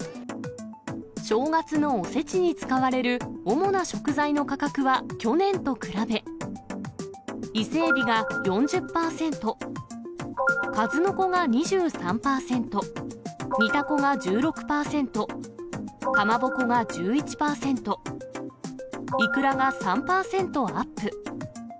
正月のおせちに使われる主な食材の価格は去年と比べ、伊勢エビが４０％、数の子が２３％、煮たこが１６％、かまぼこが１１％、イクラが３％アップ。